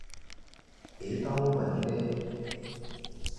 ਇਹ ਤਾਂ ਉਹ ਮੰਨ ਹੀ ਗਏ ਨੇ